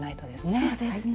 そうですね。